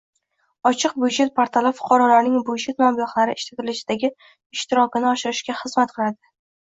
“Ochiq budjet” portali fuqarolarning budjet mablag‘lari ishlatilishidagi ishtirokini oshirishga xizmat qiladi